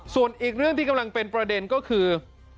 ส่วนอีกเรื่องที่กำลังเป็นประเด็นก็คือ